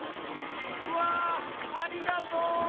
わありがとう！